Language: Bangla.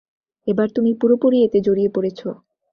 এবার তুমি পুরোপুরি এতে জড়িয়ে পড়েছ!